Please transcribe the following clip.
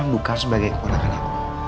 bukan sebagai orang anakku